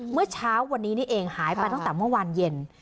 เมื่อเช้าวันนี้นี่เองหายไปตั้งแต่เมื่อวานเย็น